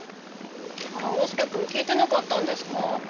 あらおうすけくんきいてなかったんですか？